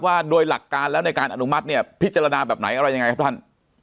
ว่าโดยหลักการแล้วในการอนุมัติเนี่ยพิจารณาแบบไหนอะไรยังไงครับท่าน